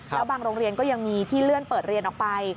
แล้วบางโรงเรียนก็ยังมีที่เลื่อนเปิดเรียนออกไป